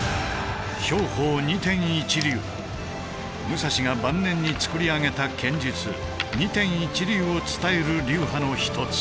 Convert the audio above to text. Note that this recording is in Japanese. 武蔵が晩年に創り上げた剣術「二天一流」を伝える流派の一つ。